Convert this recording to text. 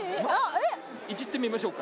いじってみましょうかな。